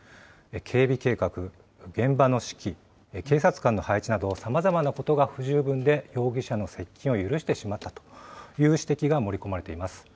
警備計画、現場の指揮、警察官の配置など、さまざまなことが不十分で、容疑者の接近を許してしまったという指摘が盛り込まれています。